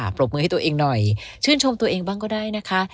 ปรบมือให้ตัวเองหน่อยชื่นชมตัวเองบ้างก็ได้นะคะ